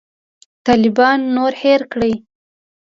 طالبان نور هېر کړي.